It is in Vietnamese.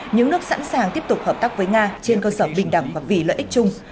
những nước sẵn sàng tiếp tục hợp tác với nga trên cơ sở bình đẳng và vì lợi ích chung